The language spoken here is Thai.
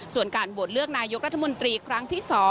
ส่วนการโหวตเลือกนายกรัฐมนตรีครั้งที่๒